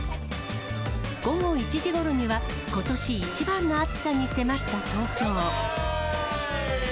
午後１時ごろには、ことし一番の暑さに迫った東京。